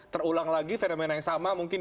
terulang lagi fenomena yang sama mungkin